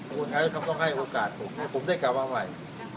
คุณค่ะเขาต้องให้โอกาสผมให้ผมได้กลับมาใหม่